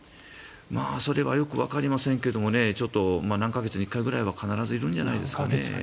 それはよくわかりませんが何か月に１回くらいは必要なんじゃないですかね。